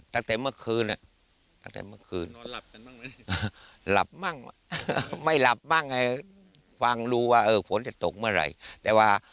ตั้งแต่เมื่อคืนไม่หลับตรงนั้นคิดว่าพนจะตกเมื่อไหร่